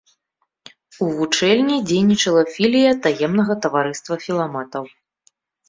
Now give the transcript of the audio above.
У вучэльні дзейнічала філія таемнага таварыства філаматаў.